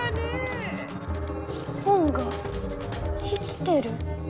本が生きてる？